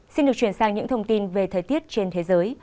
xin được chuyển sang những thông tin về thời tiết trên thế giới